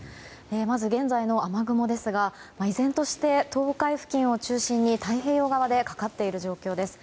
まず現在の雨雲ですが依然として東海付近を中心に太平洋側でかかっている状況です。